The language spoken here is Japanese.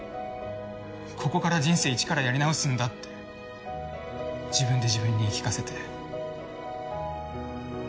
ここから人生一からやり直すんだって自分で自分に言い聞かせて。